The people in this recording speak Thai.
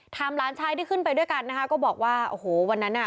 หลานชายที่ขึ้นไปด้วยกันนะคะก็บอกว่าโอ้โหวันนั้นอ่ะ